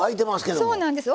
そうなんです。